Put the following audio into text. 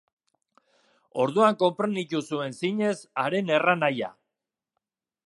Orduan konprenitu zuen zinez haren erranahia.